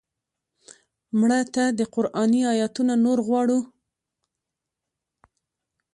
مړه ته د قرآني آیتونو نور غواړو